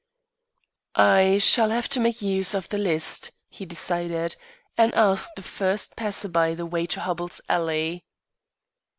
"I shall have to make use of the list," he decided, and asked the first passer by the way to Hubbell's Alley.